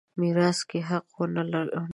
میراث کې حق ونه لري.